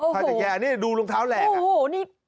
ถ้าเจ็บแย่นี่ดูรองเท้าแหลกอ่ะโอ้โหนี่